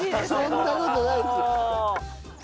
そんな事ないです。